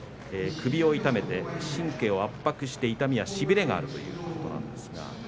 首を痛めて神経を圧迫して痛みやしびれがあるということです。